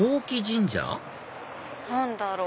何だろう？